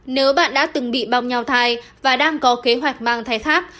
nếu bạn đã từng bị bao nhau thai và đang có kế hoạch mang thai khác